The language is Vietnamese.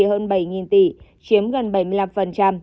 hơn bảy tỷ chiếm gần bảy mươi năm